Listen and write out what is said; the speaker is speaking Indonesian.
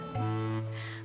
disini teh sodara